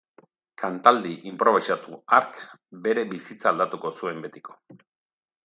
Kantaldi inprobisatu hark bere bizitza aldatuko zuen betiko.